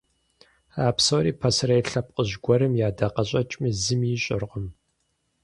А псори пасэрей лъэпкъыжь гуэрым и ӀэдакъэщӀэкӀми зыми ищӀэркъым.